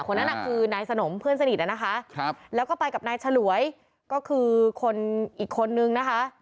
คนนั้นน่ะคือนายสนมเพื่อนสนิทนะคะแล้วก็ไปกับนายฉลวยก็คือคนอีกคนนึงนะคะ